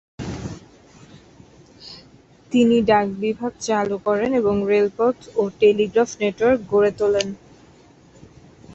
তিনি ডাক বিভাগ চালু করেন এবং রেলপথ ও টেলিগ্রাফ নেটওয়ার্ক গড়ে তোলেন।